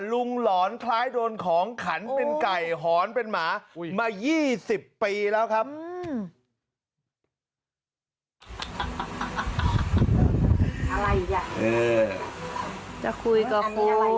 ลุงหลอนคล้ายโดนของขันเป็นไก่หอนเป็นหมาอุ้ยมายี่สิบปีแล้วครับ